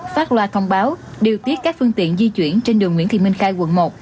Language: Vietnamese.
phát loa thông báo điều tiết các phương tiện di chuyển trên đường nguyễn thị minh khai quận một